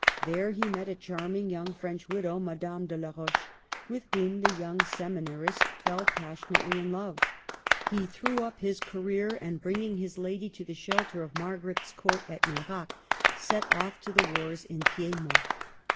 There he met a charming young French widow, Madame de la Roche, with whom the young seminarist fell passionately in love. He threw up his career, and bringing his lady to the shelter of Margaret's Court at Nerac, set off to the wars in Piedmont.